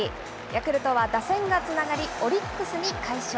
ヤクルトは打線がつながり、オリックスに快勝。